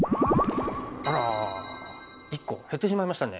あら１個。減ってしまいましたね。